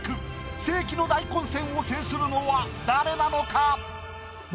世紀の大混戦を制するのは誰なのか？